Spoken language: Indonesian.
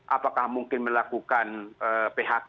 apakah mungkin melakukan phk